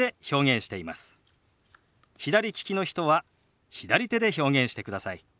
左利きの人は左手で表現してください。